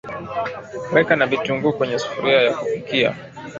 weka na vitunguu kwenye sufuria ya kupikia